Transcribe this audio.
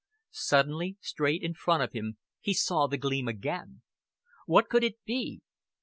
Suddenly, straight in front of him, he saw the gleam again. What could it be?